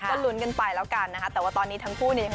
อันนี้คนเจ้ามีมาก